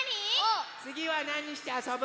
つぎはなにしてあそぶ？